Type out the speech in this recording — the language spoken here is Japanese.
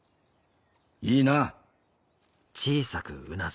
いいな？